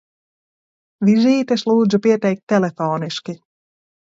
Vizītes lūdzu pieteikt telefoniski!